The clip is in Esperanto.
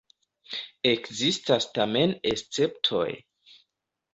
Ekzistas tamen esceptoj.